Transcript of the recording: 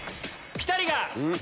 ピタリが！